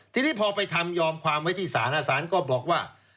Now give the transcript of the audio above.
ทีนี้พอไปทำยอมความไว้ที่ศาลศาลก็บอกว่า